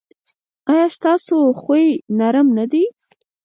ایا ستاسو خوی نرم نه دی؟